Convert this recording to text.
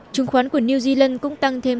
chứng khoán của new zealand cũng tăng thêm bốn